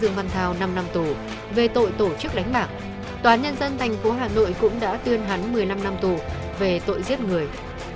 những nhân dân thành phố hà nội cũng đã tuyên hắn một mươi năm năm tù về tội giết người